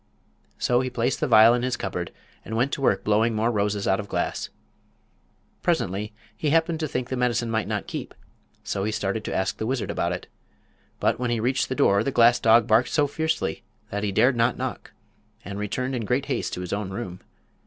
So he placed the vial in his cupboard and went to work blowing more roses out of glass. Presently he happened to think the medicine might not keep, so he started to ask the wizard about it. But when he reached the door the glass dog barked so fiercely that he dared not knock, and returned in great haste to his own room.